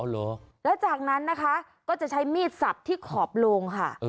แล้วจากนั้นนะคะก็จะใช้มีดสับที่ขอบโลงค่ะ